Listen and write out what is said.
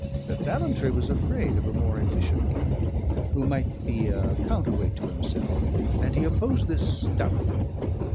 But Ballantrae was afraid of a more efficient captain, who might be a counter weight to himself, and he opposed this stoutly.